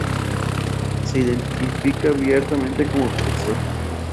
Se identifica abiertamente como bisexual.